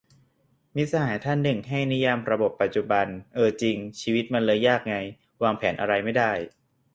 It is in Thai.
มิตรสหายท่านหนึ่ง ให้นิยามระบบปัจจุบัน เออจริง ชีวิตมันเลยยากไง วางแผนอะไรไม่ได้